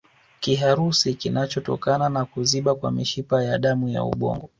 Kiharusi kinachotokana na kuziba kwa mishipa ya damu ya ubongo